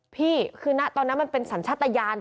พี่ค่นั้นมันเป็นสัญชาตยาลเหรอ